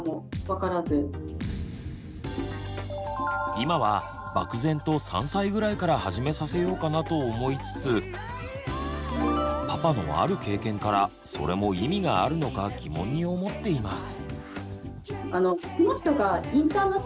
今は漠然と３歳ぐらいから始めさせようかなと思いつつパパのある経験からそれも意味があるのか疑問に思っています。